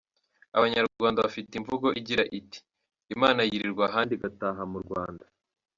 Abanyarwanda bafite imvugo igira iti “Imana yirirwa ahandi igataha mu Rwanda”.